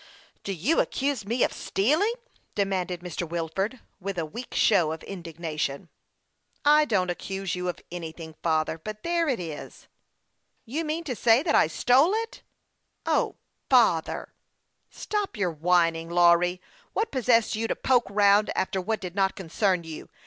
Do you accuse me of stealing ?" demanded ]\ir. Wilford, Avith a weak show of indignation. " I don't accuse you of anything, father ; but there it is." " You mean to say that I stole it ?" "O, father!" 60 HASTE AND WASTE, OR " Stop your whining, Lawry ! What possessed you to poke round after what did not concern you